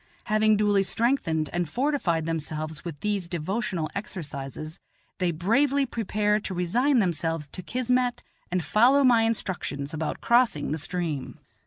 Having duly strengthened and fortified themselves with these devotional exercises, they bravely prepare to resign themselves to kismet and follow my instructions about crossing the stream.